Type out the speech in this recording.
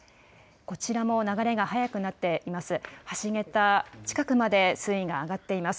こちらも流れが速くなっています。